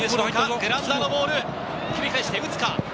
グラウンダーのボール、切り返して打つか。